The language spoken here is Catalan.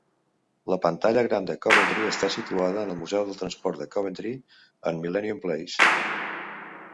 La pantalla gran de Coventry està situada en el Museu del Transport de Coventry, en Millennium Place.